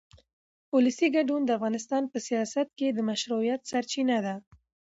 ولسي ګډون د افغانستان په سیاست کې د مشروعیت سرچینه ده